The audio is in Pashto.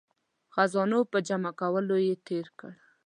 خزانو په جمع کولو یې تیر کړ.